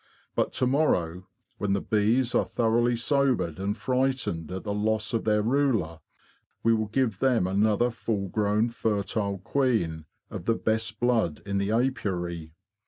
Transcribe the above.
But to morrow, when the bees are thoroughly sobered and frightened at the loss of their ruler, we will give them another full grown fertile queen of the best blood in the apiary.